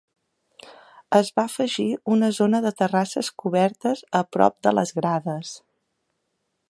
Es va afegir una zona de terrasses cobertes a prop de les grades.